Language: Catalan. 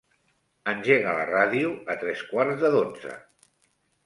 Engega la ràdio a tres quarts de dotze.